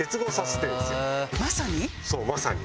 まさに？